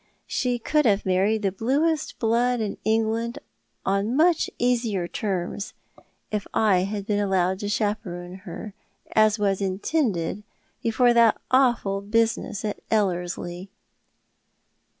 She could have married the bluest blood in England on much easier terms, if I had been allowed to chaperon her, as was intended, before that awful business at EUerslie."